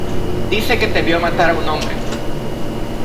dice que te vio matar a un hombre.